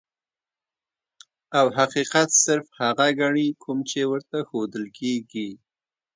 او حقيقت صرف هغه ګڼي کوم چي ورته ښودل کيږي.